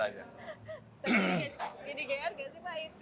jadi geyar gak sih pak